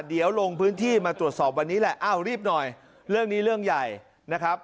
เดี๋ยวลงพื้นที่มาตรวจสอบวันนี้แหละอ้าวรีบหน่อยเรื่องนี้เรื่องใหญ่นะครับ